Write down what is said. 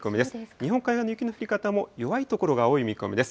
日本海側の雪の降り方も弱い所が多い見込みです。